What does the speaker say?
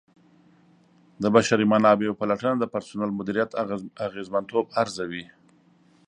د بشري منابعو پلټنه د پرسونل مدیریت اغیزمنتوب ارزوي.